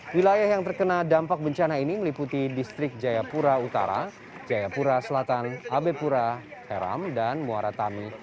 wilayah yang terkena dampak bencana ini meliputi distrik jayapura utara jayapura selatan abepura heram dan muaratami